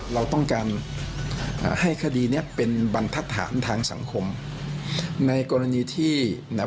เราต้องการอ่าให้คดีเนี้ยเป็นบรรทัศนทางสังคมในกรณีที่นะ